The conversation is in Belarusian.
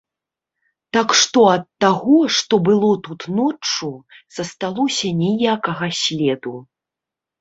Так што ад таго, што было тут ноччу, засталося ніякага следу.